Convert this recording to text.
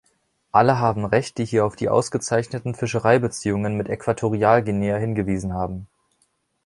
Alle haben Recht, die hier auf die ausgezeichneten Fischereibeziehungen mit Äquatorialguinea hingewiesen haben.